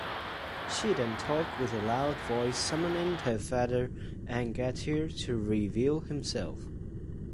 She then talked with a loud voice summoning her father Angantyr to reveal himself.